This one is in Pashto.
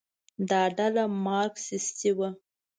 دا ډله مارکسیستي وه.